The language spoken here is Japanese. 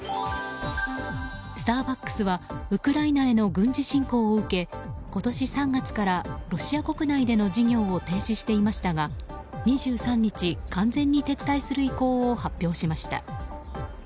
スターバックスはウクライナへの軍事侵攻を受け今年３月からロシア国内での事業を停止していましたが２３日、完全に撤退する意向を発表しました。